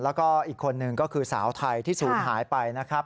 แล้วก็อีกคนนึงก็คือสาวไทยที่ศูนย์หายไปนะครับ